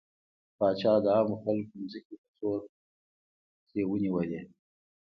پاچا د عامو خلکو ځمکې په زور ترې ونيولې.